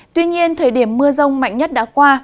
tuy nhiên thời điểm mưa rông mạnh nhất đã qua